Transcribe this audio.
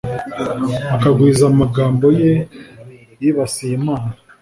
akagwiza amagambo ye yibasiye imana”